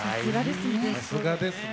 さすがですね。